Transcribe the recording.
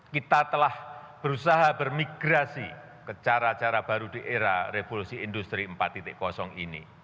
kita telah berusaha bermigrasi ke cara cara baru di era revolusi industri empat ini